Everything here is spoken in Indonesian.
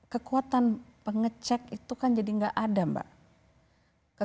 kekuatan pengecek itu kan jadi nggak ada mbak